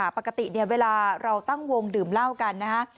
ปกติเนี่ยเวลาเราตั้งวงดื่มเหล้ากันนะฮะ